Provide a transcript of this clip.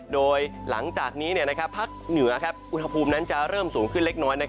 โดยหลังจากนี้ภาคเหนืออุณหภูมินั้นจะเริ่มสูงขึ้นเล็กน้อย